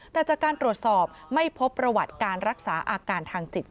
แต่จากการตรวจสอบไม่พบประวัติการรักษาอาการทางจิต